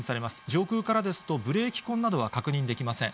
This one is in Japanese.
上空からですと、ブレーキ痕などは確認できません。